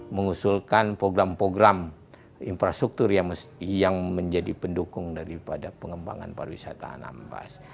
mengusulkan program program infrastruktur yang menjadi pendukung daripada pengembangan pariwisata anambas